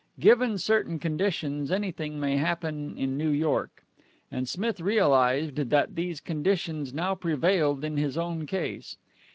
Given certain conditions, anything may happen in New York. And Smith realized that these conditions now prevailed in his own case.